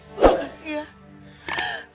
untuk hamba aku